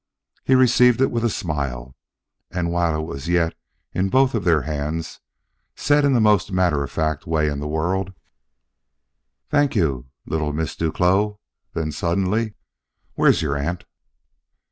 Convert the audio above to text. He received it with a smile, and while it was yet in both of their hands, said in the most matter of fact way in the world: "Thank you, little Miss Duclos." Then suddenly: "Where's your aunt?"